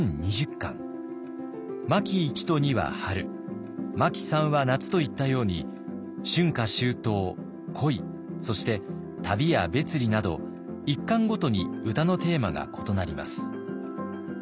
巻一と二は春巻三は夏といったように春夏秋冬恋そして旅や別離など１巻ごとに歌のテーマが異なります。